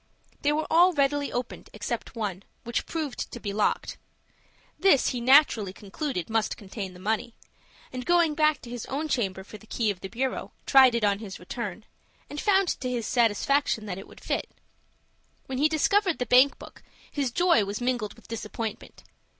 They were all readily opened, except one, which proved to be locked. This he naturally concluded must contain the money, and going back to his own chamber for the key of the bureau, tried it on his return, and found to his satisfaction that it would fit. When he discovered the bank book, his joy was mingled with disappointment.